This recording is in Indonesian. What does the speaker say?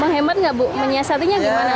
menghemat nggak bu menyiasatinya gimana